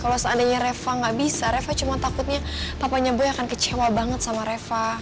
kalau seadanya saya nggak bisa saya cuma takutnya papanya boy akan kecewa banget sama saya